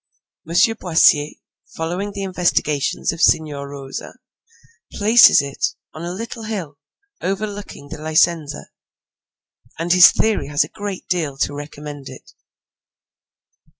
M. Boissier, following the investigations of Signor Rosa, places it on a little hill over looking the Licenza, and his theory has a great deal to recommend it.